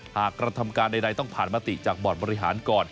กระทำการใดต้องผ่านมติจากบอร์ดบริหารก่อน